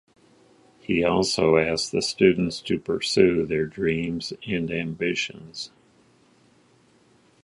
He also asked the students to pursue their dreams and ambitions.